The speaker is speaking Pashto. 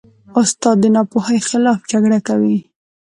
استاد د ناپوهۍ خلاف جګړه کوي.